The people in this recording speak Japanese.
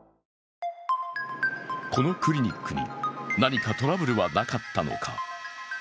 このクリニックに何かトラブルはなかったのか。